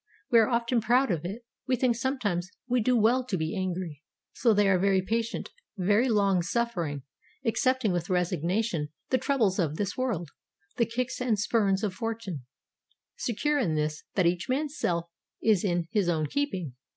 We are often proud of it; we think sometimes we do well to be angry. So they are very patient, very long suffering, accepting with resignation the troubles of this world, the kicks and spurns of fortune, secure in this, that each man's self is in his own keeping.